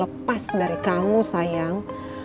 lepas dari kamu sayang